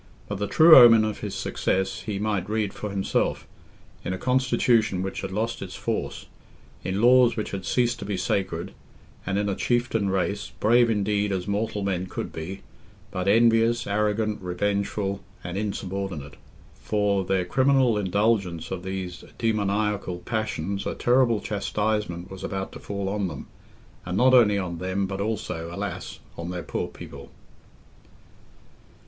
But the true omen of his success he might read for himself, in a constitution which had lost its force, in laws which had ceased to be sacred, and in a chieftain race, brave indeed as mortal men could be, but envious, arrogant, revengeful, and insubordinate. For their criminal indulgence of these demoniacal passions a terrible chastisement was about to fall on them, and not only on them, but also, alas! on their poor people.